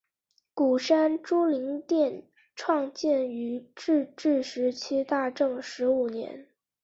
鼓山珠灵殿创建于日治时期大正十五年。